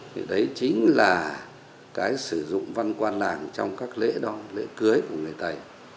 thì đấy chính là cái sử dụng văn quan làng trong các lễ đo lễ cưới của người tày